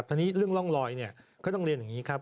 ตอนนี้เรื่องร่องลอยเนี่ยก็ต้องเรียนอย่างนี้ครับ